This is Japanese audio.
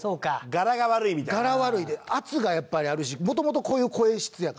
ガラ悪いで圧がやっぱりあるし元々こういう声質やから。